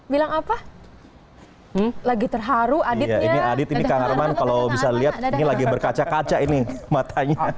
bilang apa lagi terharu adi ya ini adit ini kang arman kalau bisa lihat ini lagi berkaca kaca ini matanya